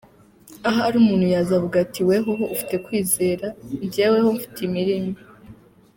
Ahari umuntu yazavuga ati"Wehoho ufite kwizera, jyeweho mfite imirimo.